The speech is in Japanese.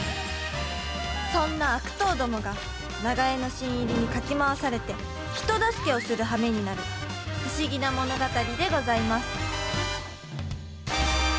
そんな悪党どもが長屋の新入りにかき回されて人助けをするはめになる不思議な物語でございます。